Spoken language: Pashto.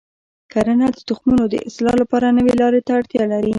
کرنه د تخمونو د اصلاح لپاره نوي لارې ته اړتیا لري.